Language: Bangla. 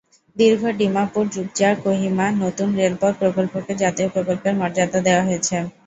দীর্ঘ ডিমাপুর-জুবজা- কোহিমা নতুন রেলপথ প্রকল্পকে জাতীয় প্রকল্পের মর্যাদা দেওয়া হয়েছে।